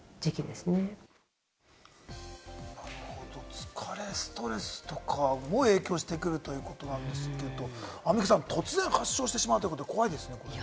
疲れストレスとかも影響してくるということですけれども、アンミカさん、突然発症してしまうって怖いですね。